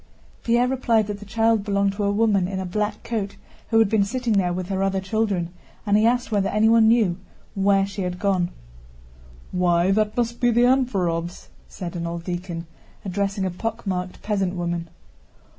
Pierre replied that the child belonged to a woman in a black coat who had been sitting there with her other children, and he asked whether anyone knew where she had gone. "Why, that must be the Anférovs," said an old deacon, addressing a pockmarked peasant woman.